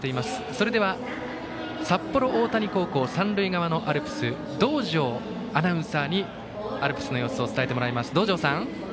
それでは、札幌大谷高校三塁側のアルプス道上アナウンサーにアルプスの様子を伝えてもらいます。